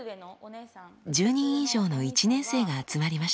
１０人以上の１年生が集まりました。